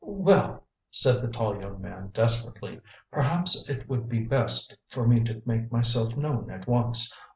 "Well," said the tall young man desperately "perhaps it would be best for me to make myself known at once.